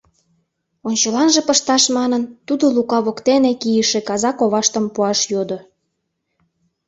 Ончыланже пышташ манын, тудо Лука воктене кийыше каза коваштым пуаш йодо.